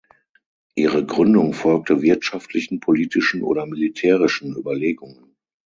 Ihre Gründung folgte wirtschaftlichen, politischen oder militärischen Überlegungen.